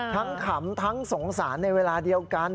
ขำทั้งสงสารในเวลาเดียวกัน